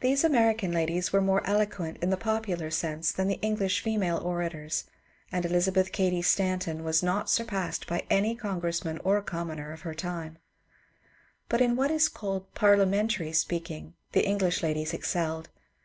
These American ladies were more eloquent in the popular sense than the English female orators, — and Elizabeth Cady Stanton was not surpassed by any congressman or commoner of her time, — but in what is called '^ parliamentary " speaking the English ladies excelled.